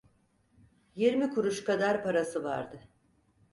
Yirmi kuruş kadar parası vardı.